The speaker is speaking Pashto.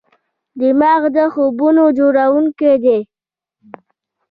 دماغ د خوبونو جوړونکی دی.